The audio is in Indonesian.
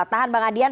tahan bang adian